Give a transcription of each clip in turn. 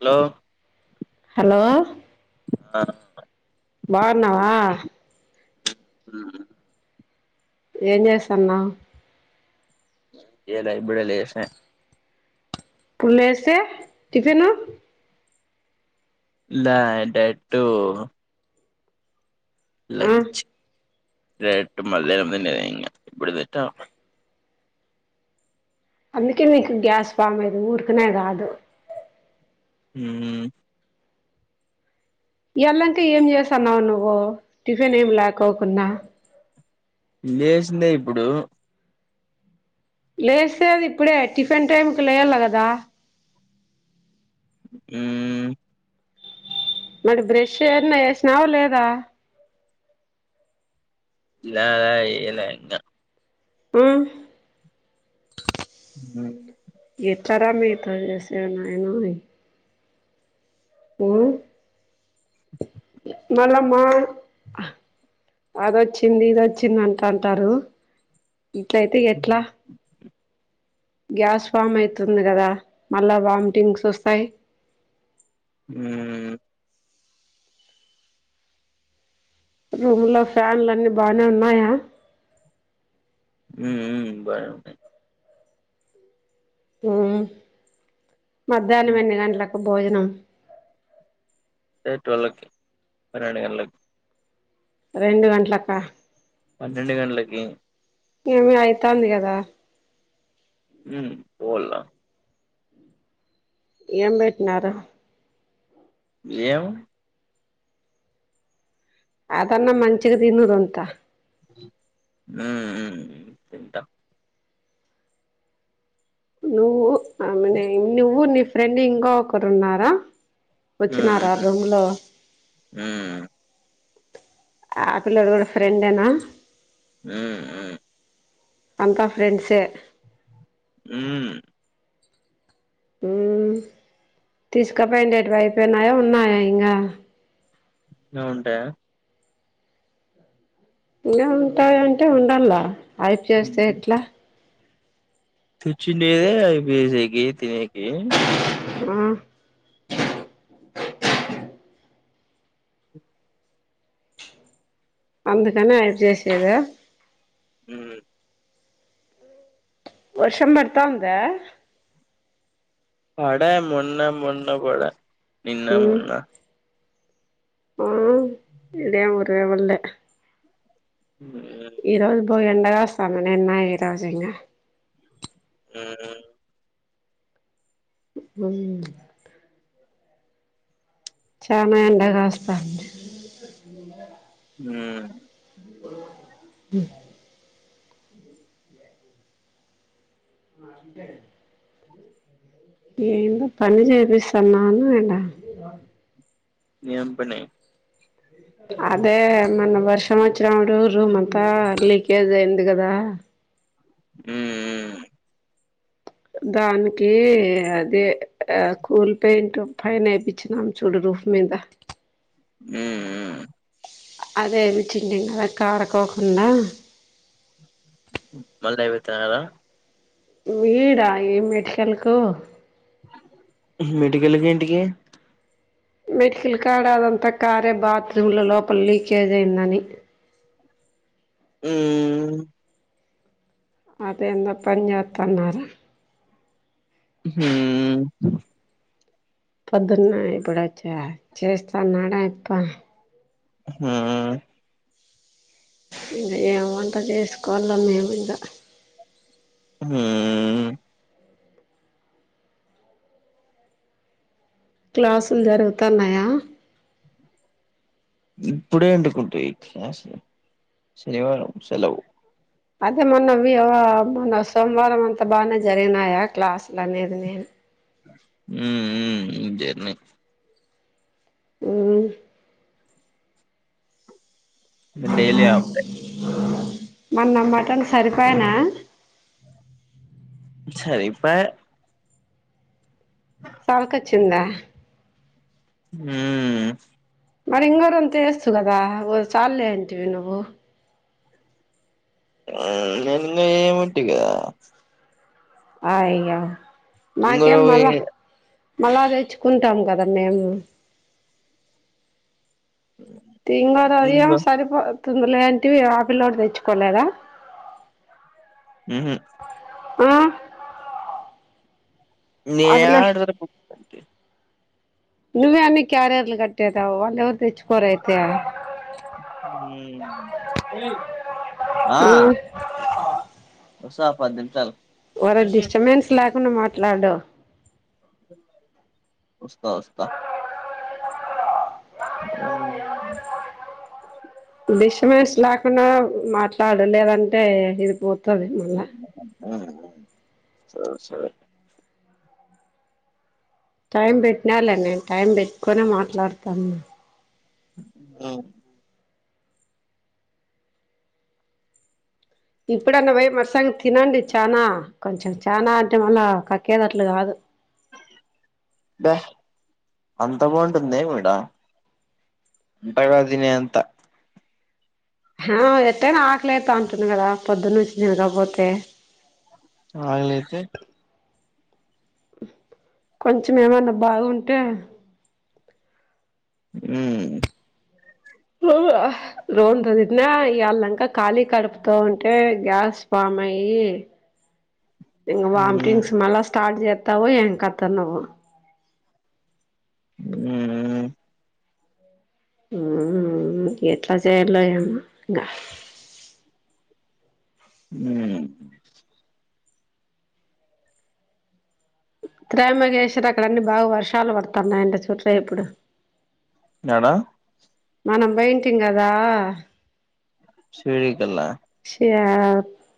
Hello hello ఆ బాన్నావా ఉ ఏం చేస్తన్నావ్ ఏలే ఇభుడే లేష ఫలేస్తే టిఫెను ల డేట్టు ఆ లంచ్ లేదంటే మళ్లీ ఏమైనా ఇంగా ఎప్పుడుందింట ఆ అందుకే నీకు గ్యాస్ ఫామ్ అయ్యేది ఊరికనే కాదు ఉ ఈ యలదాంక ఏం చేసన్నావు నువ్వు టిఫిన్ ఏం లాకోకున్న లేసిందే ఇప్పుడు లేస్తేది ఇప్పుడే టిఫిన్ టైం కు లేయాల కదా ఉ మడి బ్రెష్ ఏన్నా వేసినావు లేదా ల్యా ల్యా ఏయల ఇంగ ఉ ఉ ఎట్లా రా మీతో చేసేది నయానో మ మళ్ళమా ఆ అదొచ్చింది ఇదొచ్చింది అంట అంటారు ఇట్లయితే ఎట్లా గ్యాస్ ఫామ్ అయితుంది కదా మళ్ళా వామిటింగ్స్ ఓస్తాయి ఉ రూమ్ లో ఫ్యాన్లు అన్ని బానే ఉన్నాయా ఉ ఉ బానే ఉన్నాయి ఉ మధ్యానం ఎన్ని గంటలకు భోజనం టె ట్వెల్వ్ కీ పనేడు గంటలకి రెండు గంట్లకా పన్నెండు గంట్లకి ఏమి అయితాంది కదా ఉ పొల్లా ఏం బెట్నారు ఏం అదన్న మంచిగ తిను రొంత హు హు నువ్వు ఆమెనే నువ్వు నీ ఫ్రెండ్ ఇంగోకరు ఉన్నారా? వచ్చినార మ్మ్ రూమ్ లో? మ్మ్ ఆ పిల్లోడు కూడ ఫ్రెండే నా? హూ హు అంత ఫ్రెండ్స్ ఏ ఉ ఉ తీసుకపోయిండేటివి అయిపోయినయ ఉన్నాయా ఇంగా? ఇంగ ఉంటాయా ఇంగ ఉంటాయ అంటే ఉండల్ల అయిపు చేస్తే ఎట్లా తెచ్చిండేదే అయిపోయేకే తినేకి ఉ అందుకని అయిపజేసేద ఉ వర్షం పడతంద ఉంద? పడ మొన్న మొన్న పడ నిన్న ఉమ్ మొన్న ఆ ఇడెం ఉరెవే పల్లె హుమయ్ ఈ రోజు బో ఎండ గాస్తంది నిన్న ఈ రోజు ఇంగా ఉ ఉ చాన ఎండ గాస్తంది అ ఉమ్ హు ఆ అంతేడి ఏందో పని చేపిస్తున్నాను ఇడ ఏం పని? అదే మొన్న వర్షం వచ్చినప్పుడు రూమ్ అంతా లీకేజ్ అయింది కదా. ఉమ్ ఉమ్ దానికి అదే ఆ కూల్ పెయింట్ ఫైనా ఏపీచినాం చూడు రూఫ్ మీంద ఉమ్ ఉమ్ అదేమి చిమ్నీ కదా కారకోకుండా మల్ [unintelligible] వీడ ఏం మెట్కల్లకు మెటికలకి ఏంటికి మెటికలకాడ అదంతా కారే బాత్రూమ్ల లోపల లీకేజ్ అయిందని మ్ మ్ అదే ఎంత పని చెత్తన్నార మ్ పొద్దున్న ఇప్పుడు వచ్చా చేస్తాన్నాడా ఆయప్ప మ్ ఇంక ఏం వంట చేసుకోవాల మేము ఇంకా మ్ క్లాసులు జరుగుతాన్నాయా ఇప్పుడే ఎందుకుంటయి క్లాసులు శనివారం సెలవు అదే మొన్న వి వ మొన్న సోమవారం అంతా బానే జరిగినాయా క్లాసులు అనేది నేను మ్ ఇ జేర్ని మ్ డైలీ హాఫ్ డే మన మటన్ సరిపోయానా సరిపాయ్ సంక వచ్చిందా మ్ మరి ఇంగ రొంత వేస్త కదా చాలలేే అంటవి నువ్వు ఆ నన్నే ఉత్తిగా అయ్యా ముంగర నాకేం పోయి మళా మళ్ళా తెచ్చుకుంటాం కదా మేము తిన్నారాయ్యా ఉందా సరిపోతుంది లేంటివి ఆపిల్లోడు తెచ్చుకోలేదా మ్ హూ మ్ అప్పులెయ్ నేనేడ నువ్వే అన్ని క్యారర్లు కట్ ట్టేసావ్ వాల్లేవ్వరు తెచ్చుకోరయితే వస్తా పది నిమిషాలు ఒరెయ్ డిస్టబెన్స్ లేకుండా మాట్లాడు వస్తా వస్తా ఆ డిష్టబెన్స్ లేకుండా మాట్లాడులేదంటే ఇది పో తది మళ్ళ సరే సరే టైం పెట్టినాల నేను టైం పెట్టుకుని మాట్లాడతాను ఆ ఇప్పుడన్న పోయి మట్టసంగ తినండి చానా కొంచెం చానా అంటే మళ్ళా కక్కేటట్లు కాదు బా అంత బాగుంటుందే మీడ అంతగా తినే అంత హా ఎట్టనా ఆకలైతాంటది కదా పొద్దున్ననుంచి తినకపోతే ఆకలేతె కొంచెం ఏమన్నా బాగుంటే మ్ ను రొంత తిట్టిన ఇవాళ్ళంక ఖాళీ కడుపుతా ఉంటే గ్యాస్ ఫామ్ అయి ఇ వామిటింగ్స్ మల్ల స్టార్ట్ చేస్తావో ఎంకతనో నేనెమి ఉమ్మ్ ఎట్లా చేయలో ఏమో ఇంగ ఉమ్మ్ త్రయంబకేశ్వర్ అక్కడ అన్నీ బాగా వర్షాలు పడుతున్నాయంట చూడ్రా ఇప్పుడు యడా మనం పోయింటిం కదా షిరిడి కల్లా షా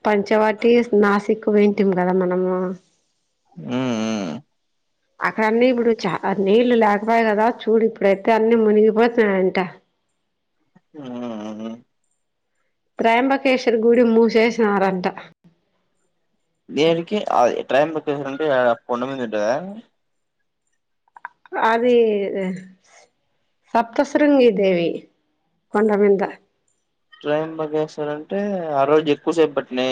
పంచవాటి నాసిక్ పోయింటిమి కదా మనము ఉమ్మ్ ఉమ్మ్ అక్కడ అన్నీ ఇప్పుడు చా నీళ్లు లేకపాయా కదా చూడు ఇప్పుడైతే అన్ని మునిగిపోతున్నాయంట ఉమ్మ్ త్రయాంబకేశ్వరి గుడి మూసేసినారంట దేనికి ఆది ట్రయంబకేశ్వర్ అంటే కొండమీద ఉంటాద అది సప్తశృంగి దేవి కొండ మీంద త్రయంబకేశ్వర్ అంటే ఆరోజు ఎక్కువసేపు పట్నే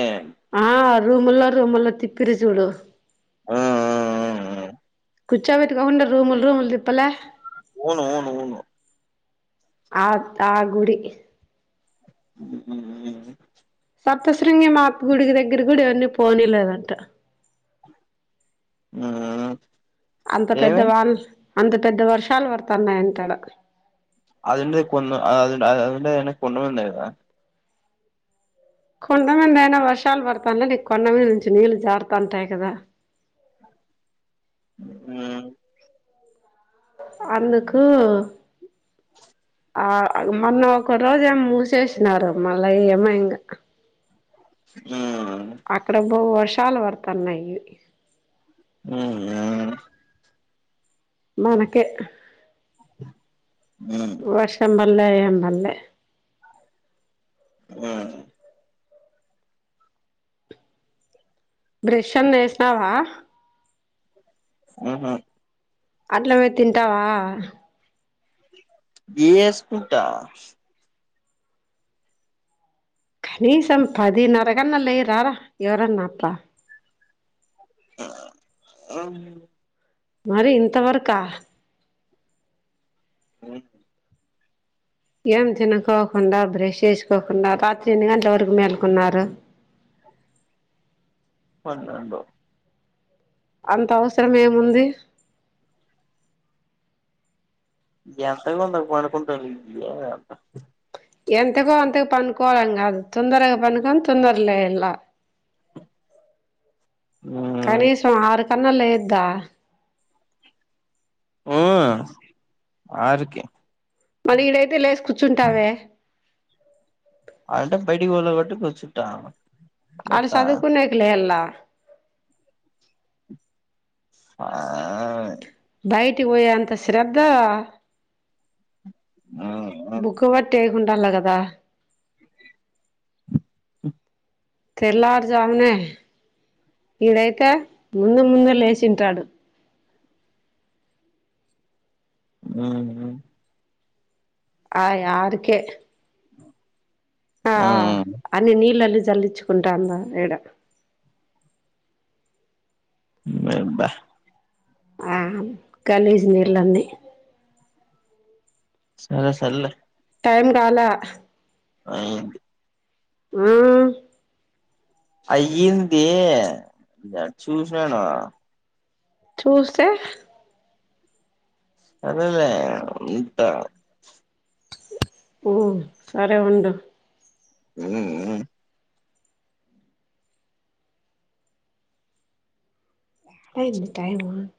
ఆ రూముల్లో రూముల్లో తిప్పిరి చూడు ఆఆ కూర్చోబెట్టుకోకుండా రూములు రూములు తిప్పలా అవునవునవును ఆ తా గుడి మ్మ్ఉహ్మ్ సప్తస్రుంగి మాత్ గుడి దగ్గరికి కూడా ఎవర్ని పోనీ లేదంట ఉమ్మ్ అంత పెద్ద వాన్లు అంత పెద్ద వర్షాలు పడుతన్నాయంటా ఆడ అది ఉండేది కొన్ ఆ అది ఆ అది ఉండేది అయినా కొండల మీందే కదా కొండమీందా అయినా వర్షాలు పడతానేది కొండమీద నుంచి నీళ్ళు జారుతాంటాయి కదా మ్మ్ అందుకు ఆ మొన్న ఒక రోజు ఏమో మూసేసినారు మళ్ళా ఏమో ఇంగ ఉమ్మ్ అక్కడ బా వర్షాలు పడుతన్నాయి ఉమ్మ్ ఉమ్మ్ మనకే ఉమ్మ్ వర్ష పల్లే ఏం పల్లె ఉమ్మ్ బ్రష్అన్ చేసినావా మ్మ్ఉహ్మ్ అట్లమే తింటావా గేసుకుంటా నీసాం పదిన్నర కన్న లెయ్యరారా ఎవరన్నా అప్ప ఆ అమ్ మరి ఇంతవరకా మ్మ్ ఏం తినకోకుండా బ్రష్ చేసుకోకుండా రాత్రి ఎన్ని గంటల వరకు మేలుకున్నారు పన్నేండు అంత అవసరం ఏముంది ఎంతకో అంతకు పడుకుంటారు ఎంతకో అంతకు పనుకోవలని కాదు తొందరగా పనుకోని తొందరగ లేయలా హ్మ్ కనీసం ఆరు కన్నా లేయద్దా ఊ ఆరుకి మరి ఈడైతే లేసి కూర్చుంటావే అంటే బయటకి పోదమంటే కూర్చుంట ఆడ సదువుకునేకి లెయ్యల ఆ బయటికి పోయే అంత శ్రద్ధ ఉహు [unintelligible] కదా తెల్లారుజామునే ఇడైతే ముందే ముందే లేచింటాడు అవును ఆయ్ ఆరుకే ఆ అన్ని నీళ్ళన్ని చల్లించుకుంటాండ ఈడ బా ఆ కనీసం నీలన్న ఇయ్ సరే సర్లే టైం కాలా అవును హుమ్ అయ్యింది చూసినాను చూస్తే సరేలే ఉంటాను ఓ సరే ఉండు హుమ్ [unintelligible]